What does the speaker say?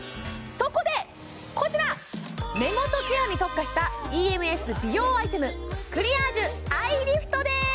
そこでこちら目元ケアに特化したＥＭＳ美容アイテムクリアージュアイリフトです